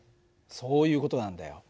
そういう事なんだよ。